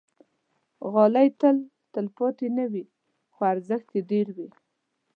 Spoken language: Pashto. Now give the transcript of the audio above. غالۍ تل تلپاتې نه وي، خو ارزښت یې ډېر وي.